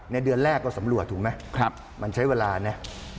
เดือนแรกก็สำรวจถูกไหมมันใช้เวลานะ